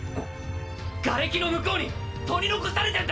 ガレキの向こうに取り残されてんだよ！